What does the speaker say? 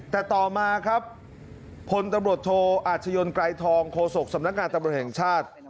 แต่ต่อมาครับพลตำรวจโทอาชญนไกรทองโฆษกสำนักงานตำรวจแห่งชาติ